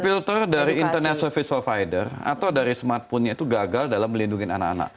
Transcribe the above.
filter dari internet service provider atau dari smartphone nya itu gagal dalam melindungi anak anak